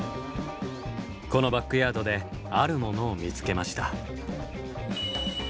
このバックヤードであるものを見つけました。